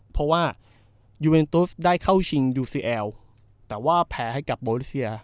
เพราะว่ายูเอ็นตุสได้เข้าชิงยูซีเอลแต่ว่าแพ้ให้กับโบริเซีย